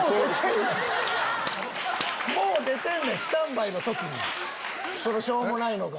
もう出てんねんスタンバイの時にそのしょうもないのが。